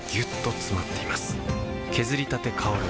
削りたて香る